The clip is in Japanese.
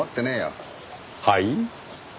はい？